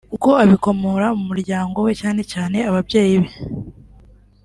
kuko abikomora mu muryango we cyane cyane ababyeyi be